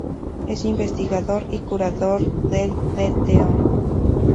Es investigador, y curador del "Dto.